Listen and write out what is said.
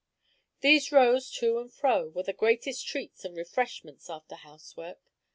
These rows to and fro were the greatest treats and refreshments after house work.